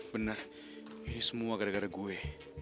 benar ini semua gara gara gue